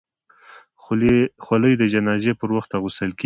خولۍ د جنازې پر وخت اغوستل کېږي.